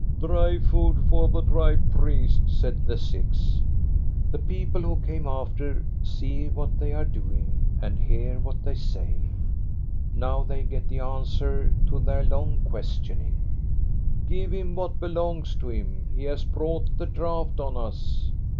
Dry food to the dry priest," said the sixth. The people who came after see what they are do ing and hear what they say. Now they get the answer to their long questioning. Give him what belongs to him ! He has brought the drought on us."